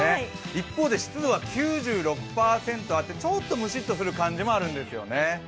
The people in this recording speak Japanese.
一方で湿度は９６％あってちょっとムシッとする感じもあるんですよね。